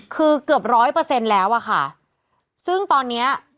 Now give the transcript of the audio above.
คือเกือบร้อยเปอร์เซ็นต์แล้วอะค่ะซึ่งตอนเนี้ย